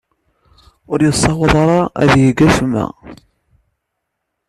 Ur yessaweḍ ad yeg acemma.